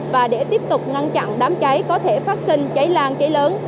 và để tiếp tục ngăn chặn đám cháy có thể phát sinh cháy lan cháy lớn